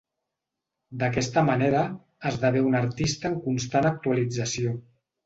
D'aquesta manera, esdevé un artista en constant actualització.